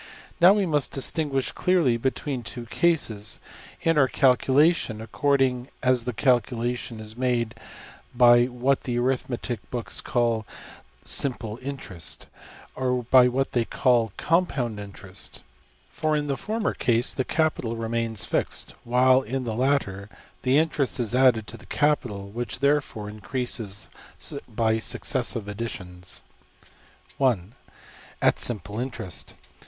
Now we must distinguish clearly between two cases, in our calculation, according as the calculation is made by what the arithmetic books call ``simple interest,'' or by what they call ``compound interest.'' For in the former case the capital remains fixed, while in the latter the interest is added to the capital, which therefore increases by successive additions. \Paragraph{{\upshape(1)}~At simple interest.